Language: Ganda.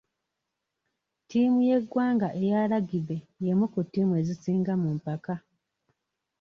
Ttiimu y'eggwanga eya lagibe y'emu ku ttiimu ezisinga mu mpaka.